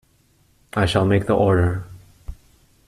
I shall make the order.